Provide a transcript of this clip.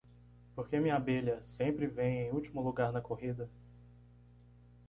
Por que minha abelha sempre vem em último lugar na corrida?